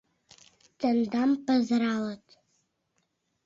— Тендам пызыралыт...